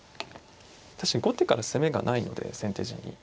確かに後手から攻めがないので先手陣に。